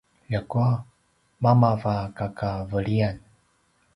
ljakua mamav a kakaveliyan